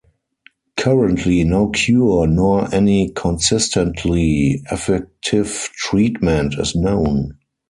Currently no cure nor any consistently effective treatment is known.